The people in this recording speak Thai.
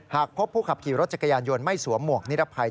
หากพบผู้ขับขี่รถจักรยานยนต์ไม่สวมหมวกนิรภัย